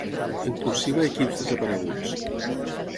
En cursiva equips desapareguts.